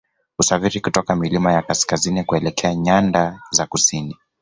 Husafiri kutoka milima ya kaskazini kuelekea nyanda za kusini